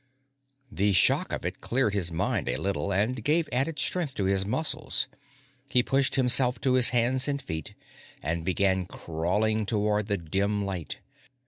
The shock of it cleared his mind a little, and gave added strength to his muscles. He pushed himself to his hands and knees and began crawling toward the dim light.